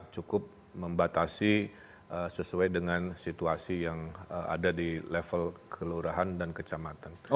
cukup membatasi sesuai dengan situasi yang ada di level kelurahan dan kecamatan